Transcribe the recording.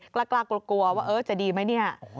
กล้ากลัวว่าจะดีไหมเนี่ย